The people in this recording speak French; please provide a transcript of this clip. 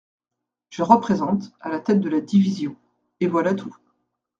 Je représente, à la tête de la division … Et voilà tout.